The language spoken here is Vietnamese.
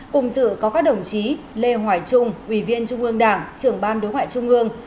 cùng dự có các đồng chí lê hoài trung ủy viên trung ương đảng trưởng ban đối ngoại trung ương